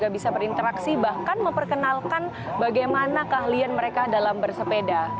bisa berinteraksi bahkan memperkenalkan bagaimana keahlian mereka dalam bersepeda